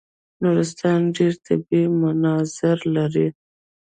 نورستان ډېر طبیعي مناظر لري.